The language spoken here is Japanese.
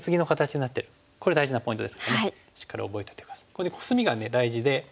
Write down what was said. ここでコスミが大事で。